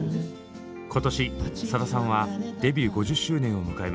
今年さださんはデビュー５０周年を迎えます。